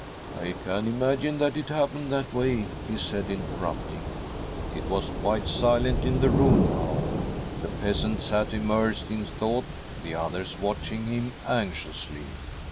'I can imagine that it happened that way,' he said, interrupting. " It was quite silent hi the room now ; the peasant sat immersed in thought, the others watching him " anxiously.